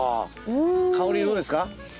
香りどうですか？